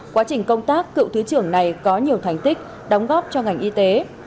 quá trình công tác cựu thứ trưởng này có nhiều thành tích đóng góp cho ngành y tế